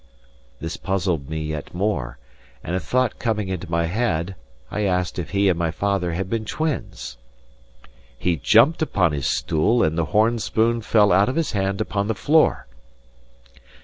This puzzled me yet more; and a thought coming into my head, I asked if he and my father had been twins. He jumped upon his stool, and the horn spoon fell out of his hand upon the floor.